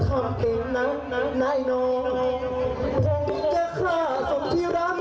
ชื่อน้องแจ๊วโกรีน